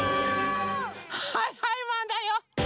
はいはいマンだよ。